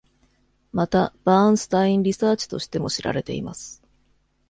また、バーンスタイン・リサーチとしても知られています。